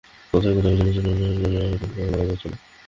কোথায় কোথায় অভিযান চালানো হচ্ছে তদন্তের স্বার্থে এখন বলা যাচ্ছে না।